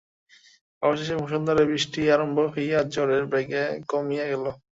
অবশেষে মুষলধারে বৃষ্টি আরম্ভ হইয়া ঝড়ের বেগ কমিয়া গেল।